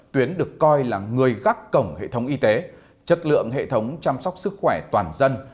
tuyến được coi là người gác cổng hệ thống y tế chất lượng hệ thống chăm sóc sức khỏe toàn dân